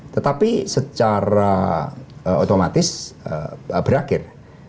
tetapi secara otomatis berakhir